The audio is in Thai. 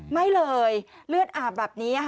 ไม่เลยเลือดอาบแบบนี้ค่ะ